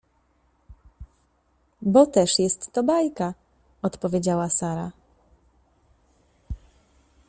— Bo też jest to bajka — odpowiedziała Sara.